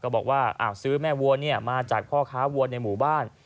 บอกว่าซื้อแม่วัวมาจากพ่อค้าวัวในหมู่บ้าน